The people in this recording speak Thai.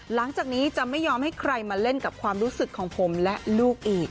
หลังจากนี้จะไม่ยอมให้ใครมาเล่นกับความรู้สึกของผมและลูกอีก